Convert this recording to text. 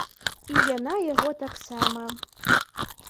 І яна яго таксама.